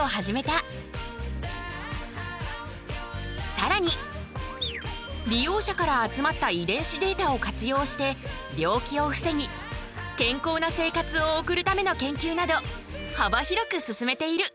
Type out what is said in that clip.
さらに利用者から集まった遺伝子データを活用して病気を防ぎ健康な生活を送るための研究など幅広く進めている。